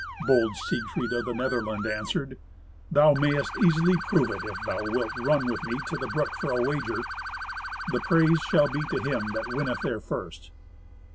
Bold Siegfried of the Netherland answered, "Thou mayst easily prove it, if thou wilt run with me to the brook for a wager. The praise shall be to him that winneth there first."